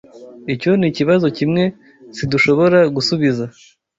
Icyo nikibazo kimwe sidushobora gusubiza.